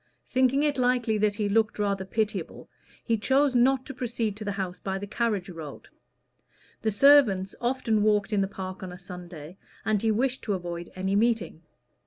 Thinking it likely that he looked rather pitiable, he chose not to proceed to the house by the carriage road. The servants often walked in the park on a Sunday, and he wished to avoid any meeting.